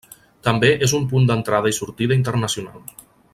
També és un punt d'entrada i sortida internacional.